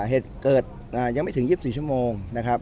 เหตุเกิดอ่ายังไม่ถึงยี่สิบสี่ชั่วโมงนะครับ